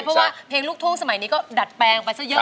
เพราะว่าเพลงลูกทุ่งสมัยนี้ก็ดัดแปลงไปซะเยอะ